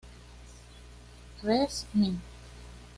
Res. Min.